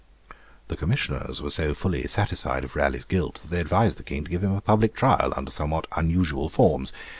The Commissioners were so fully satisfied of Raleigh's guilt that they advised the King to give him a public trial, under somewhat unusual forms.